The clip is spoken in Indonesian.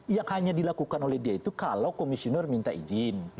yang hanya dilakukan oleh dia itu kalau komisioner minta izin